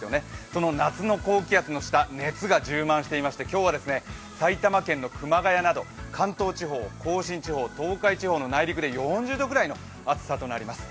その夏の高気圧の下、熱が充満していまして今日は埼玉県の熊谷など関東地方、甲信地方、東海地方の内陸で４０度くらいの暑さになります。